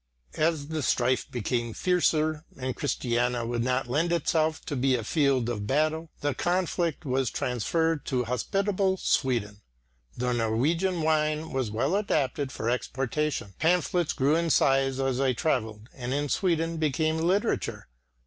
As the strife became fiercer and Christiania would not lend itself to be a field of battle, the conflict was transferred to hospitable Sweden. The Norwegian wine was well adapted for exportation; pamphlets grew in size as they travelled and in Sweden became literature.